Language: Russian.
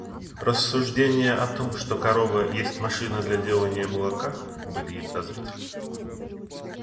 Рассуждения о том, что корова есть машина для деланья молока, были ей подозрительны.